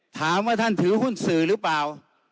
ถามว่าท่านถือหุ้นสื่อหรือเปล่า